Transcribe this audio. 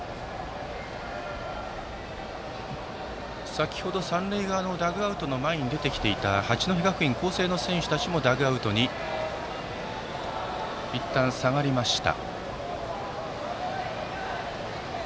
先程、三塁側のダグアウトの前に出てきていた八戸学院光星の選手たちもダグアウトにいったん下がりました。